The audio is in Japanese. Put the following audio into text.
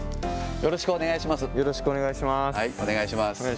よろしくお願いします。